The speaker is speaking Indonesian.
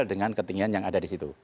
dengan ketinggian yang ada di situ